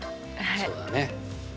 そうだね。